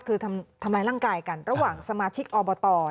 คือทำร้ายร่างกายกันระหว่างสมาชิกอบต